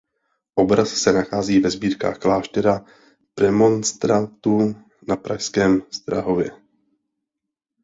Obraz se nachází ve sbírkách Kláštera premonstrátů na pražském Strahově.